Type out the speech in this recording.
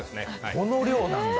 この量なんだ。